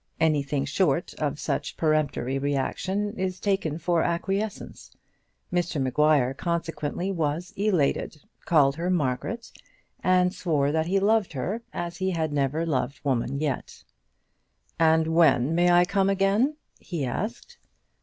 Anything short of such peremptory reaction is taken for acquiescence. Mr Maguire consequently was elated, called her Margaret, and swore that he loved her as he had never loved woman yet. "And when may I come again?" he asked.